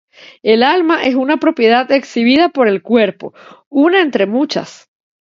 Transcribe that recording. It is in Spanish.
El alma es una propiedad exhibida por el cuerpo, una entre muchas.